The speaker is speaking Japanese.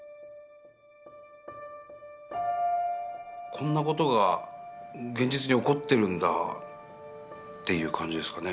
こんな事が現実に起こってるんだという感じですかね。